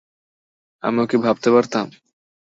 আমিও কি ভাবতে পারতাম?